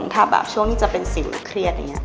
ถ้าแบบช่วงที่จะเป็นสิ่งเครียดอย่างนี้